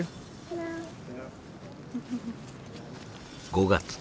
５月。